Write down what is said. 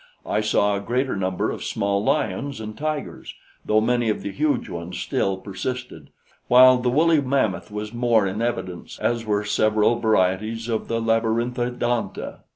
I saw a greater number of small lions and tigers, though many of the huge ones still persisted, while the woolly mammoth was more in evidence, as were several varieties of the Labyrinthadonta.